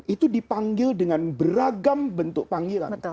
itu dipanggil dengan beragam bentuk panggilan